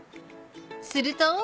［すると］